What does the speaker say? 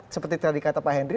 seperti tadi kata pak henry